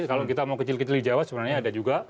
kalau kita mau kecil kecil di jawa sebenarnya ada juga